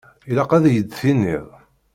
Ilaq ad yi-d-tiniḍ.